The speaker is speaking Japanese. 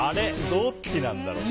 どっちなんだろう。